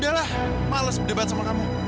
udah lah males berdebat sama kamu